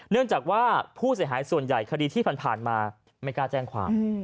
เนื่องจากว่าผู้เสียหายส่วนใหญ่คดีที่ผ่านมาไม่กล้าแจ้งความ